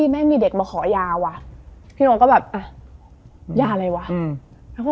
มันไม่ตลก